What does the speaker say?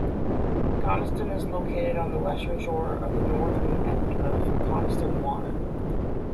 Coniston is located on the western shore of the northern end of Coniston Water.